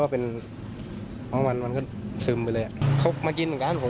ว่าเป็นน้องมันมันก็ซึมไปเลยอ่ะทบมากินเหมือนกัน